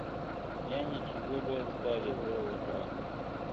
یعني چي زه به ستا لیدو ته و بل کال ته ګورم,